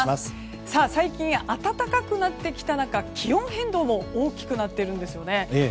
最近、暖かくなってきた中気温変動も大きくなっているんですね。